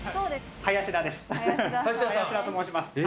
林田と申します。